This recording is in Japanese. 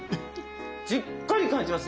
しっかり感じます。